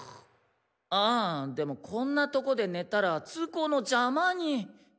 あでもこんなとこでねたら通行のじゃまに。